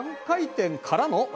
３回転からの。